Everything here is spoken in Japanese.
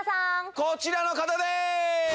こちらの方でーす。